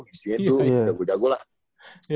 isinya tuh jago jago lah